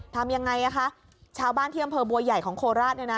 ทำอย่างไรคะชาวบ้านเที่ยวอำเภอบัวใหญ่ของโคลราศ